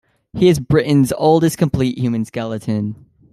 He is Britain's oldest complete human skeleton.